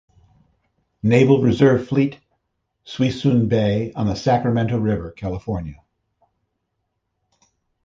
Naval Reserve Fleet, Suisun Bay, on the Sacramento River, California.